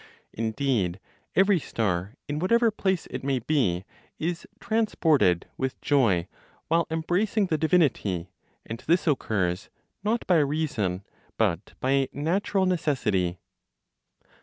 Indeed, every star, in whatever place it may be, is transported with joy while embracing the divinity; and this occurs not by reason, but by a natural necessity.